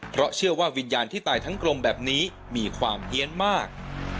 เพราะเชื่อว่าวิญญาณที่ตายทั้งกลมแบบนี้มีความเฮียนมาก